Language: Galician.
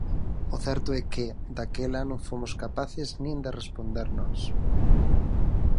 O certo é que, daquela, non fomos capaces nin de responder nós.